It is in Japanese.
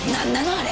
あれ。